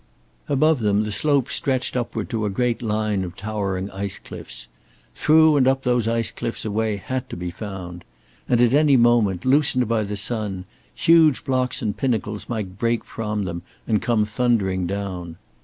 Above them the slopes stretched upward to a great line of towering ice cliffs. Through and up those ice cliffs a way had to be found. And at any moment, loosened by the sun, huge blocks and pinnacles might break from them and come thundering down.